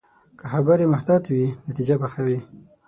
که خبرې محتاطې وي، نتیجه به ښه وي